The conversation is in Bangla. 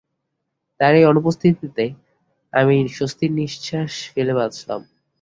তার এই অনুপস্থিতিতে আমি স্বস্তির নিশ্বাস ফেলে বাঁচলাম।